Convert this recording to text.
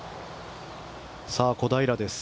小平です。